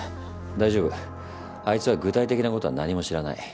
大丈夫あいつは具体的なことは何も知らない。